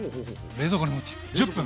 冷蔵庫に持っていく１０分。